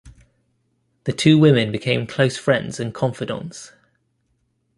The two women become close friends and confidantes.